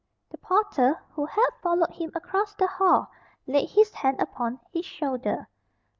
The porter who had followed him across the hall laid his hand upon his shoulder.